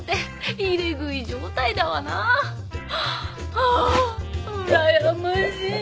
ああうらやましい！